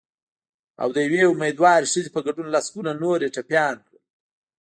او د یوې امېندوارې ښځې په ګډون لسګونه نور یې ټپیان کړل